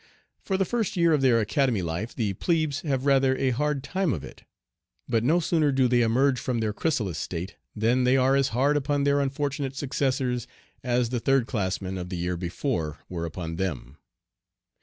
For the first year of their Academy life the 'plebes' have rather a hard time of it; but no sooner do they emerge from their chrysalis state than they are as hard upon their unfortunate successors as the third class men of the year before were upon them.